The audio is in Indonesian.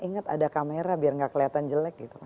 ingat ada kamera biar gak kelihatan jelek gitu